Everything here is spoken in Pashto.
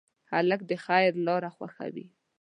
هلک د خیر لاره خوښوي.